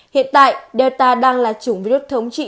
hiện tại delta đang là chủng virus thống trị